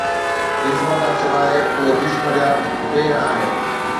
جسم کان سواءِ، اهي جسم جا پير آهن